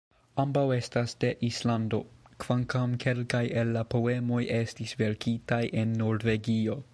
Ambaŭ estas de Islando, kvankam kelkaj el la poemoj estis verkitaj en Norvegio.